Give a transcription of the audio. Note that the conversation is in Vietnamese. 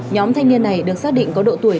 nhóm thanh niên này được xác định có độ tuổi